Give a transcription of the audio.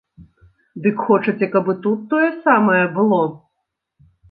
Дык хочаце, каб і тут тое самае было?